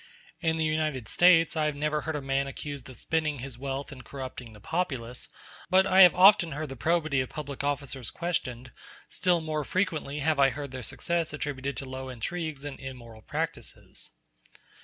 In the United States I never heard a man accused of spending his wealth in corrupting the populace; but I have often heard the probity of public officers questioned; still more frequently have I heard their success attributed to low intrigues and immoral practices.